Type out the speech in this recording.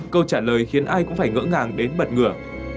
câu trả lời khiến ai cũng phải ngỡ ngàng đến bật ngửa